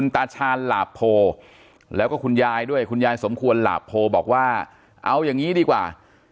ตาชาญหลาบโพแล้วก็คุณยายด้วยคุณยายสมควรหลาบโพบอกว่าเอาอย่างนี้ดีกว่า